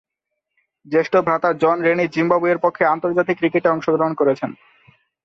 জ্যেষ্ঠ ভ্রাতা John Rennie জিম্বাবুয়ের পক্ষে আন্তর্জাতিক ক্রিকেটে অংশগ্রহণ করেছেন।